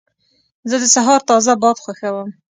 زه د سهار تازه باد خوښوم.